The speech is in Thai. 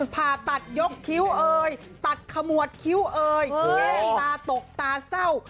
ผ่าตัดยกคิ้วเอยตัดขมวดคิ้วเอยแก้ตาตกตาเศร้า